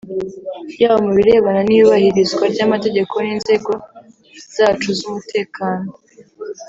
yaba mu birebana n’iyubahirizwa ry’amategeko n’inzego zacu z’umutekano